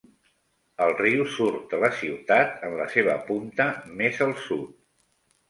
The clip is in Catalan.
El riu surt de la ciutat en la seva punta més al sud.